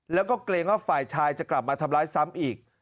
แล้วก็เกรงว่าฝ่ายชายจะกลับมาทำร้ายซ้ำอีก